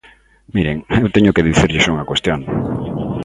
Miren, eu teño que dicirlles unha cuestión.